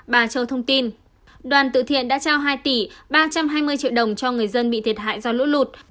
bà châu thông tin đoàn tự thiện đã trao hai tỷ ba trăm hai mươi triệu đồng cho người dân bị thiệt hại do lũ lụt